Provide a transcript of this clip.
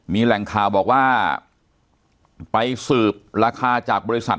มีแหล่งข่าวบอกว่าไปสืบราคาจากบริษัท